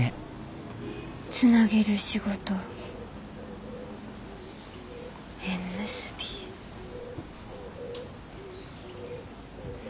つなげる仕事縁結びうん。